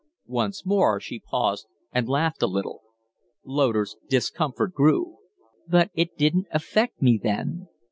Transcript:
Once more she paused and laughed a little. Loder's discomfort grew. "But it didn't affect me then."